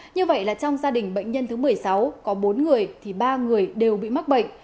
như vậy là trong gia đình bệnh nhân thứ một mươi sáu có bốn người thì ba người đều bị mắc bệnh